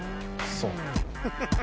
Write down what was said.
そう。